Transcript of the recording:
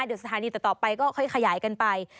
เดี๋ยวสถานีต่อไปก็ค่อยขยายกันไป